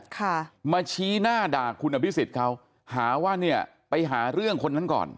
ค่ะมาชี้หน้าด่าคุณอภิษฎเขาหาว่าเนี่ยไปหาเรื่องคนนั้นก่อน